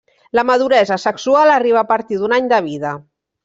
La maduresa sexual arriba a partir d'un any de vida.